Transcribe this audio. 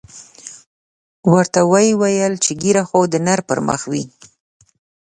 ورته ویې ویل چې ږیره خو د نر پر مخ وي.